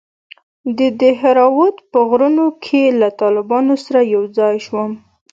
د دهراوت په غرونو کښې له طالبانو سره يوځاى سوم.